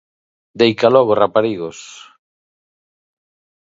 Deica logo, raparigos!